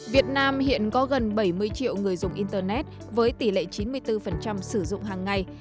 việt nam hiện có gần bảy mươi triệu người dùng internet với tỷ lệ chín mươi bốn sử dụng hàng ngày